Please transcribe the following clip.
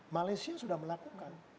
malaysia sudah melakukan